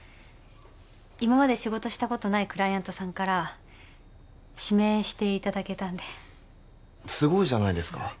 今まで仕事したことないクライアントさんから指名していただけたんですごいじゃないですか